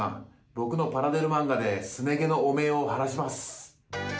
僕のパラデル漫画ですね毛の汚名を晴らします。